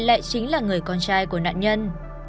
lại chính là người con trai của nạn nhân